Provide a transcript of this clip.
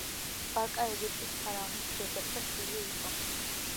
ბაკა ეგვიპტის ფარაონის ჯედეფრეს შვილი იყო.